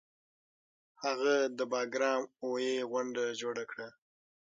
هغه د باګرام اوویی غونډه جوړه کړه